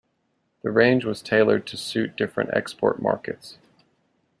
The range was tailored to suit different export markets.